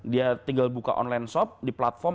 dia tinggal buka online shop di platform